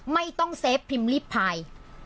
ไม่ต้องเซฟพิมพ์ลิฟท์ไพล์